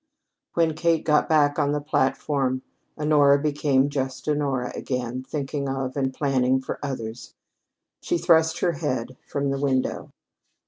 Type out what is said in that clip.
When Kate got back on the platform, Honora became just Honora again, thinking of and planning for others. She thrust her head from the window.